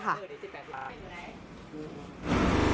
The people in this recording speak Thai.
๑๘บาท